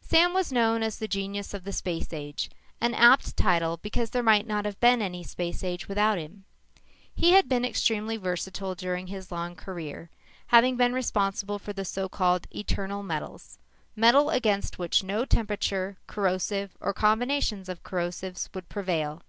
Sam was known as The Genius of the Space Age, an apt title because there might not have been any space without him. He had been extremely versatile during his long career, having been responsible for the so called eternal metals metal against which no temperature, corrosive, or combinations of corrosives would prevail.